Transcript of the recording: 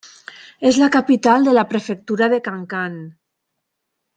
És la capital de la prefectura de Kankan.